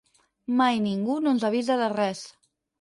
Mai ningú no ens avisa de res.